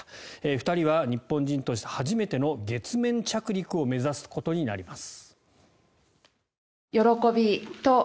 ２人は日本人として初めての月面着陸を目指すことになります。